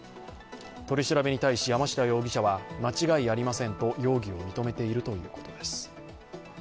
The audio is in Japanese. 取り調べに対し、山下容疑者は間違いありませんと容疑を認めているということです。